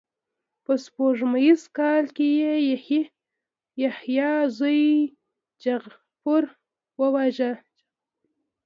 په سپوږمیز کال کې یې یحیی زوی جغفر وواژه.